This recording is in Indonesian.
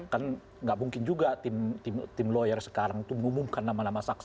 kan nggak mungkin juga tim lawyer sekarang itu mengumumkan nama nama saksi